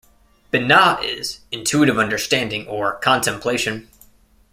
Binah is 'intuitive understanding', or 'contemplation'.